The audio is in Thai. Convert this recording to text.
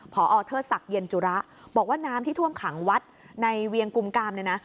พอเทิดศักดิ์เย็นจุระบอกว่าน้ำที่ท่วมขังวัดในเวียงกุมกามเนี่ยนะ